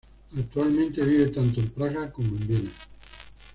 Actualmente vive tanto en Praga como en Viena.